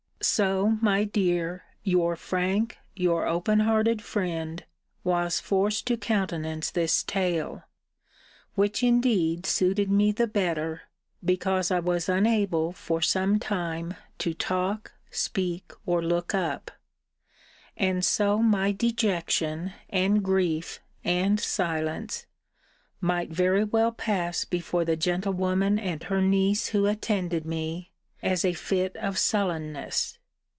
So, my dear, your frank, your open hearted friend, was forced to countenance this tale; which indeed suited me the better, because I was unable for some time to talk, speak, or look up; and so my dejection, and grief, and silence, might very well pass before the gentlewoman and her niece who attended me, as a fit of sullenness.